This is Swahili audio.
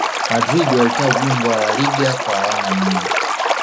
madrid walitwaa ubingwa wa laliga kwa alama nyingi